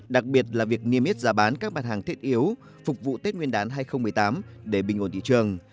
đặc biệt là việc niêm yết giá bán các mặt hàng thiết yếu phục vụ tết nguyên đán hai nghìn một mươi tám để bình ổn thị trường